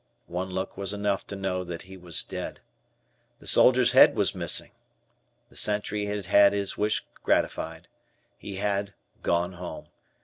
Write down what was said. One look was enough to know that he was dead. The soldier's head was missing. The sentry had had his wish gratified. He had "gone home."